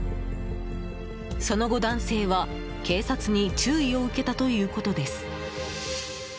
その後、男性は警察に注意を受けたということです。